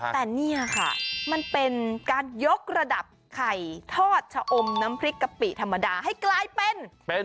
แต่เนี่ยค่ะมันเป็นการยกระดับไข่ทอดชะอมน้ำพริกกะปิธรรมดาให้กลายเป็น